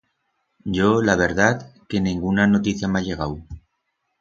Yo, la verdat, que nenguna noticia m'ha llegau.